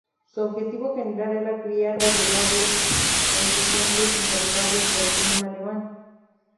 Su objetivo general era criar variedades resistentes y saludables para el clima alemán.